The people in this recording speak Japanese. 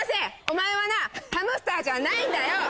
お前はなハムスターじゃないんだよ！